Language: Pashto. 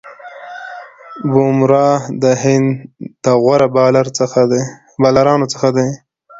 بومراه د هند د غوره بالرانو څخه دئ.